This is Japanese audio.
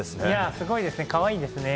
すごいですね、かわいいですね。